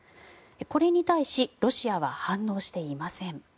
これに対しロシアは反応していません。